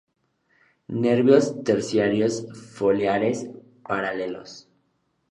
Nervios terciarios foliares paralelos.